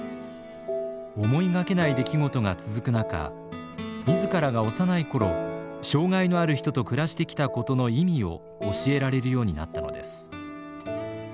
思いがけない出来事が続く中自らが幼い頃障害のある人と暮らしてきたことの意味を教えられるようになったのです。